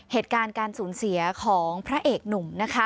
เหตุการณ์การสูญเสียของพระเอกหนุ่มนะคะ